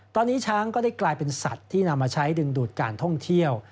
ตอนนี้ช้างก็ได้กลายเป็นสัตว์ที่นำมาใช้ดึงดูดการท่องเที่ยว